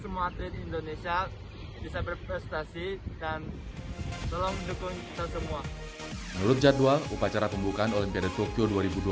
menurut jadwal upacara pembukaan olimpiade tokyo dua ribu dua puluh